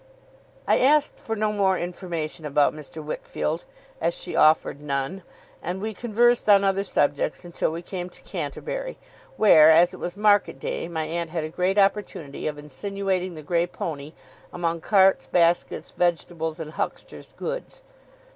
I asked for no more information about Mr. Wickfield, as she offered none, and we conversed on other subjects until we came to Canterbury, where, as it was market day, my aunt had a great opportunity of insinuating the grey pony among carts, baskets, vegetables, and huckster's goods.